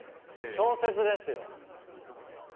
小説ですよ！